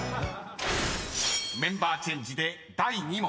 ［メンバーチェンジで第２問］